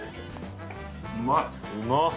うまっ。